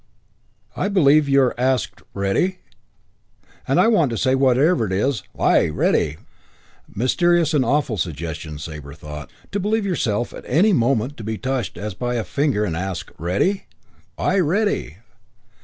I believe you're asked 'Ready?' and I want to say, whatever it is, 'Aye, Ready!'" Mysterious and awful suggestion, Sabre thought. To believe yourself at any moment to be touched as by a finger and asked "Ready?" "Aye, Ready!"